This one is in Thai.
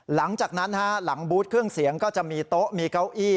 หลังจากนั้นหลังบูธเครื่องเสียงก็จะมีโต๊ะมีเก้าอี้